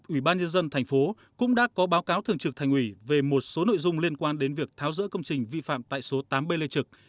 ủy ban nhân dân thành phố cũng đã có báo cáo thường trực thành ủy về một số nội dung liên quan đến việc tháo rỡ công trình vi phạm tại số tám b lê trực